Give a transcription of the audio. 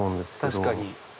確かに。